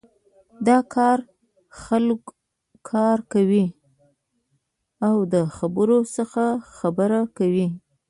د کار خلک کار کوی او د خبرو خلک خبرې کوی.